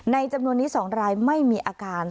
จำนวนนี้๒รายไม่มีอาการ